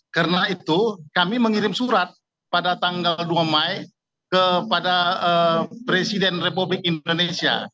karena itu kami mengirim surat pada tanggal dua mai kepada presiden republik indonesia